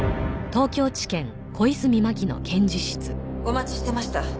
お待ちしてました。